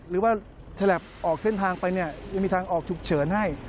หรือว่าฉลับออกเส้นทางไปเนี่ยยังมีทางออกฉุกเฉินให้